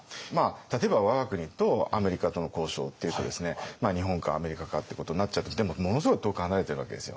例えば我が国とアメリカとの交渉っていうとですね日本かアメリカかってことになっちゃってでもものすごい遠く離れてるわけですよ。